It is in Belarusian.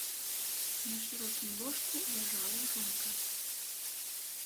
На шырокім ложку ляжала жонка.